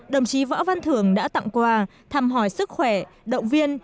đồng chí võ văn thường đã tặng quà thăm hỏi sức khỏe động viên